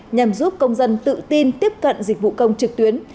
nhằm giúp công dân tự tin tiếp cận dịch vụ công trực tuyến